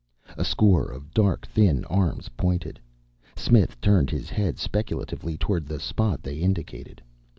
A score of dark, thin arms pointed. Smith turned his head speculatively toward the spot they indicated.